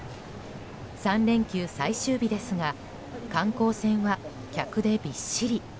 ３連休最終日ですが観光船は客でびっしり。